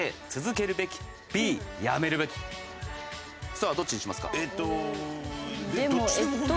さあどっちにしますか？